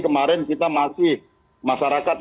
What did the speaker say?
kemarin kita masih masyarakat